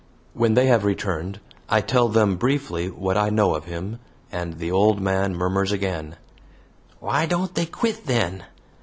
When they have returned, I tell them briefly what I know of him, and the old man murmurs again: "Why don't they quit, then?